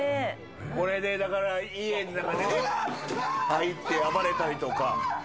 これで家の中に入って暴れたりとか。